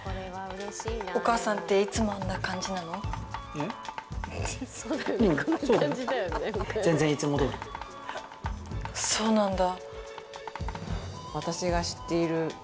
うんそうだよ全然いつもどおりそうなんだ